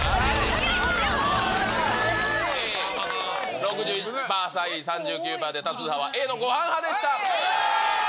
６１パー対３９パーで多数派はＡのごはん派でした。